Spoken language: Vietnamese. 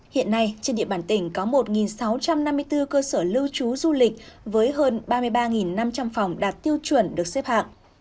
hiện nay trên địa bàn tỉnh có một sáu trăm năm mươi bốn cơ sở lưu trú du lịch với hơn ba mươi ba năm trăm linh phòng đạt tiêu chuẩn được xếp hạng